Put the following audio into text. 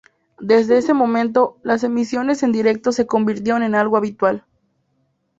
Desde ese momento, las emisiones en directo se convirtieron en algo habitual.